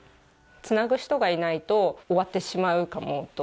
つなぐ人がいないと終わってしまうかもと。